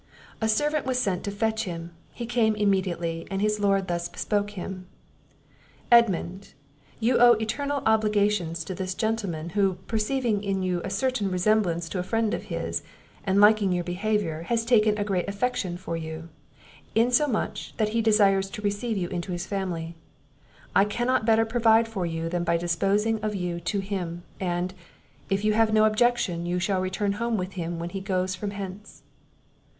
A servant was sent to fetch him; he came immediately, and his Lord thus bespoke him. "Edmund, you owe eternal obligations to this gentleman, who, perceiving in you a certain resemblance to a friend of his, and liking your behaviour, has taken a great affection for you, insomuch that he desires to receive you into his family: I cannot better provide for you than by disposing of you to him; and, if you have no objection, you shall return home with him when he goes from hence."